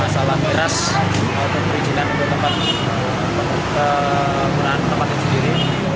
masalah keras atau perizinan untuk tempat kegunaan tempatnya sendiri